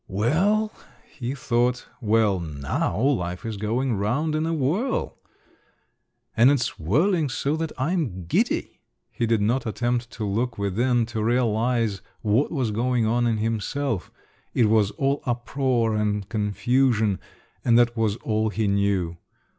"Well," he thought, "well, now life is going round in a whirl! And it's whirling so that I'm giddy." He did not attempt to look within, to realise what was going on in himself: it was all uproar and confusion, and that was all he knew!